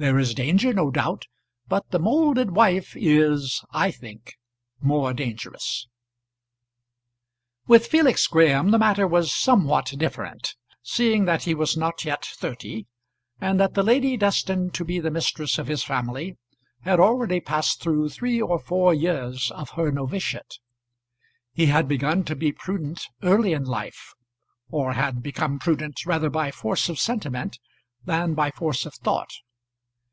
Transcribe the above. There is danger, no doubt; but the moulded wife is, I think, more dangerous. With Felix Graham the matter was somewhat different, seeing that he was not yet thirty, and that the lady destined to be the mistress of his family had already passed through three or four years of her noviciate. He had begun to be prudent early in life; or had become prudent rather by force of sentiment than by force of thought.